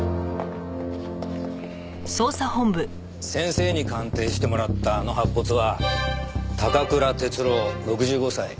先生に鑑定してもらったあの白骨は高倉徹郎６５歳。